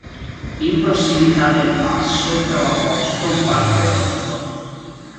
In prossimità del passo trova posto un parco eolico.